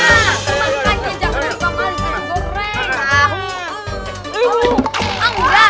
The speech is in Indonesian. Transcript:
makan kejap mbak maling goreng